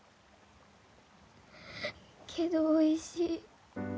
けどおいしい。